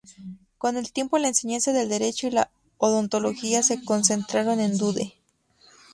Con el tiempo, la enseñanza del derecho y la odontología se concentraron en Dundee.